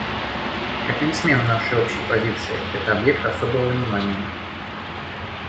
Это не смена нашей общей позиции; это — объект особого внимания.